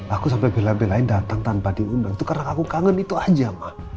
aku sampai bela belain datang tanpa diundang itu karena aku kangen itu aja mah